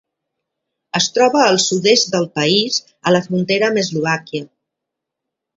Es troba al sud-est del país, a la frontera amb Eslovàquia.